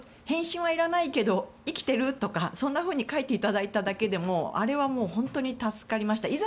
返信はいらないけど生きてる？とかそんなふうに書いていただいただけでもあれは本当に助かりました。